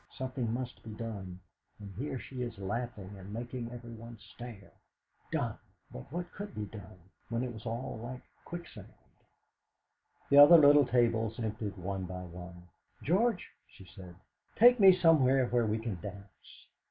Something must be done; and here she is laughing and making everyone stare!' Done! But what could be done, when it was all like quicksand? The other little tables emptied one by one. "George," she said, "take me somewhere where we can dance!"